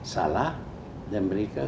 salah dan mereka